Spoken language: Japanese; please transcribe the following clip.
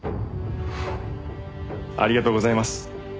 ありがとうございます。